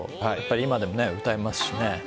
今でも歌いますしね。